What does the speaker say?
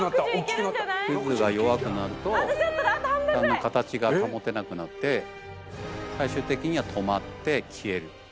渦が弱くなるとだんだん形が保てなくなって最終的には止まって消える。